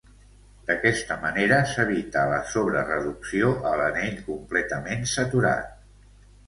D'aquesta manera s'evita la sobrereducció a l'anell completament saturat.